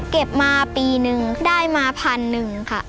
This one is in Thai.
เก็บมาปีนึงได้มาพันหนึ่งค่ะ